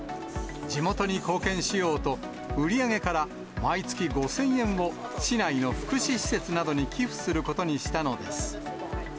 地元に貢献しようと、売り上げから、毎月５０００円を市内の福祉施設などに寄付することにしたのです。